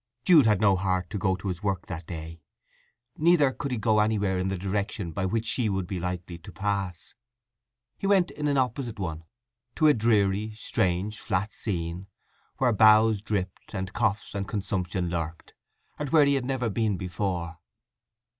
Jude had no heart to go to his work that day. Neither could he go anywhere in the direction by which she would be likely to pass. He went in an opposite one, to a dreary, strange, flat scene, where boughs dripped, and coughs and consumption lurked, and where he had never been before.